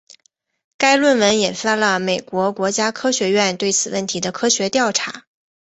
该论文引发了美国国家科学院对此问题的科学调查。